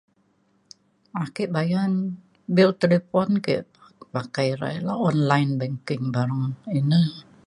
ake bayan bil talipon ke pakai irai la online banking bareng ina